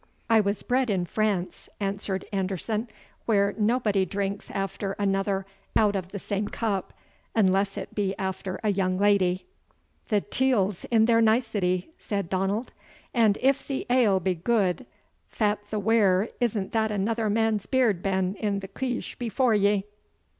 "I was bred in France," answered Anderson, "where nobody drinks after another out of the same cup, unless it be after a young lady." "The teil's in their nicety!" said Donald; "and if the ale be gude, fat the waur is't that another man's beard's been in the queich before ye?"